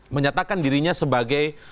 mencatatkan dirinya sebagai tersangka